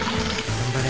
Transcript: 頑張れ。